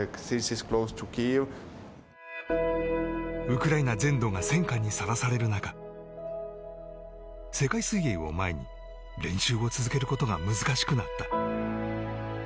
ウクライナ全土が戦禍にさらされる中世界水泳を前に練習を続けることが難しくなった。